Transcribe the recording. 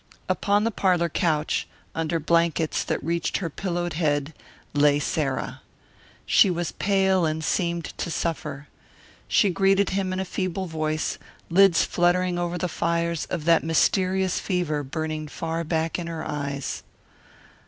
Upon the parlour couch, under blankets that reached her pillowed head, lay Sarah. She was pale and seemed to suffer. She greeted him in a feeble voice, lids fluttering over the fires of that mysterious fever burning far back in her eyes.